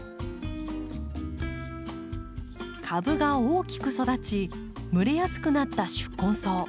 株が大きく育ち蒸れやすくなった宿根草。